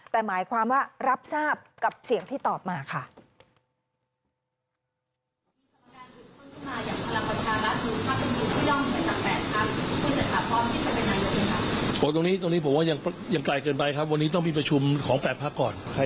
แต่หมายความว่ารับทราบกับเสียงที่ตอบมาค่ะ